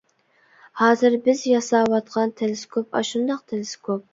ھازىر بىز ياساۋاتقان تېلېسكوپ ئاشۇنداق تېلېسكوپ.